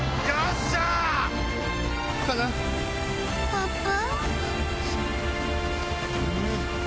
パパ。